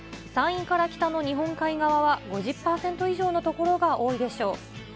山陰から北の日本海側は５０％以上の所が多いでしょう。